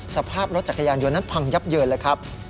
สภาพรถจักรยานยนต์นั้นพังยับเยินเลยครับ